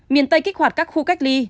miền tây kích hoạt các khu cách ly